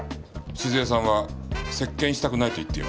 静江さんは接見したくないと言っています。